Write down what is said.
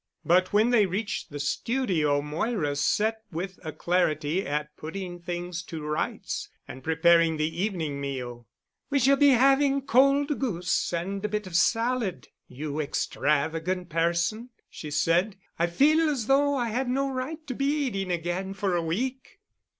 But when they reached the studio Moira set with alacrity at putting things to rights and preparing the evening meal. "We shall be having cold goose and a bit of salad, you extravagant person," she said. "I feel as though I had no right to be eating again for a week."